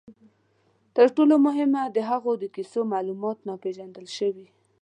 تر ټولو مهمه، د هغوی د کیسو معلومات ناپېژندل شوي.